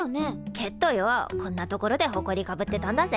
けっどよこんな所でホコリかぶってたんだぜ？